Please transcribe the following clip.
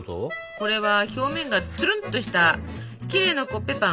これは表面がツルンとしたきれいなコッペパン。